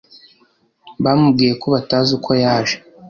bamubwiye ko batazi uko yaje